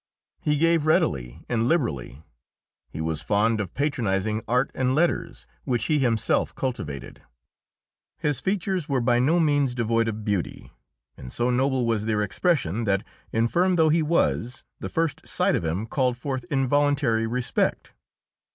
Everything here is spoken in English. He gave readily and liberally; he was fond of patronising art and letters, which he himself cultivated; his features were by no means devoid of beauty, and so noble was their expression that, infirm though he was, the first sight of him called forth involuntary respect.